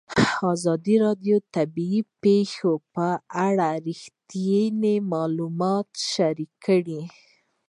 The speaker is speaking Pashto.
ازادي راډیو د طبیعي پېښې په اړه رښتیني معلومات شریک کړي.